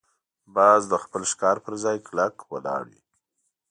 باز د خپل ښکار پر ځای کلکه ولاړ وي